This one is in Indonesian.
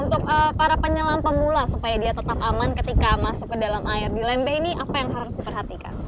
untuk para penyelam pemula supaya dia tetap aman ketika masuk ke dalam air di lembeh ini apa yang harus diperhatikan